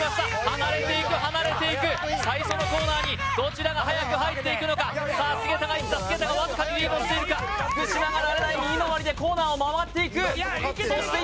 離れていく離れていく最初のコーナーにどちらがはやく入っていくのかさあ菅田がいった菅田がわずかにリードしているか福島が慣れない右回りでコーナーを回っていくそして